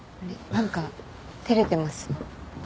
何か照れてます？